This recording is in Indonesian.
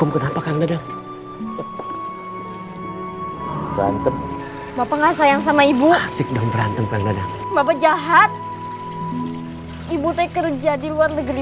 bapak nggak sayang sama ibu asyik dong berantem dengan bapak jahat ibu teker jadi luar negeri